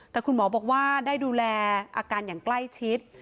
แต่คุณหมอบอกว่าได้ดูแลอาการอย่างใกล้ชิด